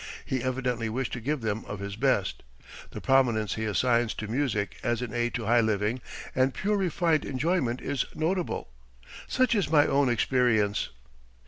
He evidently wished to give them of his best. The prominence he assigns to music as an aid to high living and pure refined enjoyment is notable. Such is my own experience.